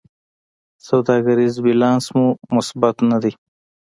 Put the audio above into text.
سوداګریز بیلانس مو مثبت نه دی.